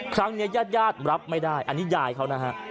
ครั้งนี้ยัดย่าตรับไม่ได้อันนี้ยายเขานะฮะ